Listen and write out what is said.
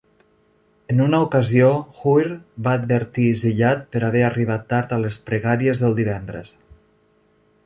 En una ocasió, Hujr va advertir Ziyad per haver arribat tard a les pregàries del divendres.